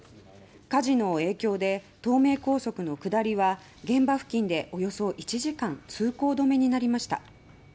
火事の影響で東名高速の下りは現場付近でおよそ１時間通行止めになりました。